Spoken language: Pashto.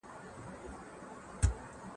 کار د زده کوونکي له خوا کيږي!